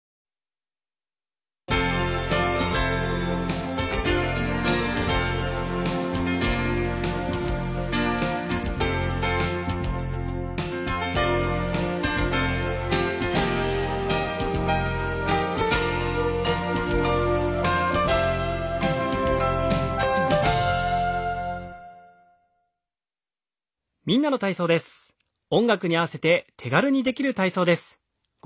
今日の体調に合わせて手軽にできる体操です。